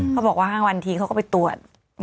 เขาบอกว่า๕วันทีเขาก็ไปตรวจ